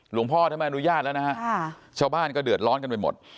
หลวงพ่อท่านไม่อนุญาตแล้วนะฮะชาวบ้านก็เดือดร้อนกันไปหมด